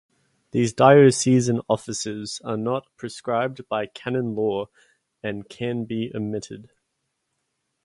These diocesan offices are not prescribed by canon law, and can be omitted.